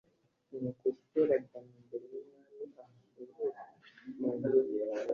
nuko esiteri ajyanwa imbere y'umwami ahasuwerusi mu nzu ye